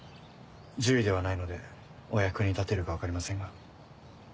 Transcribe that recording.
獣医ではないのでお役に立てるか分かりませんが。